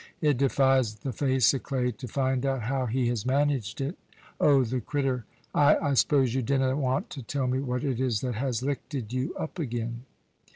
It defies the face o' clay to find out how he has managed it. Oh, the crittur! Ay, I suppose you dinna want to tell me what it is that has lichted you up again?"